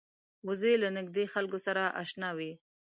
وزې له نږدې خلکو سره اشنا وي